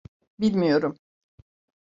Bilmiyorum.